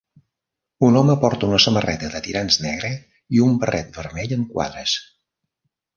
Un home porta una samarreta de tirants negra i un barret vermell amb quadres